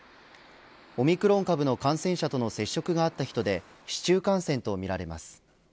オミクロン株の感染者との接触があった人で市中感染とみられます。